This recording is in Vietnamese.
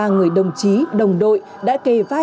ba người đồng chí đồng đội đã kề vai sát cánh với nhau